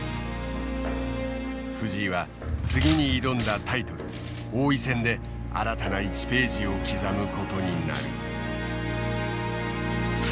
藤井は次に挑んだタイトル王位戦で新たな１ページを刻むことになる。